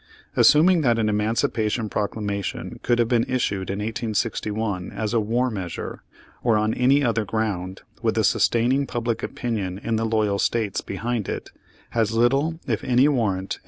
Assuming that an emancipation proclamation could have been issued in 1861, as a war measure, or on any other ground, with a sustaining public opinion in the loyal States behind it, has little if any warrant in the facts of history.